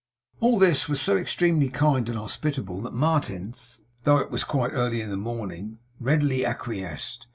All this was so extremely kind and hospitable, that Martin, though it was quite early in the morning, readily acquiesced.